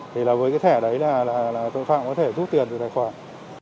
thì là với cái thẻ đấy là tội phạm có thể rút tiền từ tài khoản